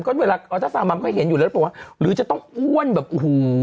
ก็เวลาอันตราสาวมัมเขาจะเห็นอยู่แล้วหรือจะต้องอ้วนแบบโอ้โห